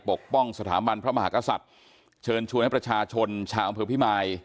ปกป้องสถาบันพระมหากษัตริย์เชิญชวนให้ประชาชนชาวอำเภอพิมาย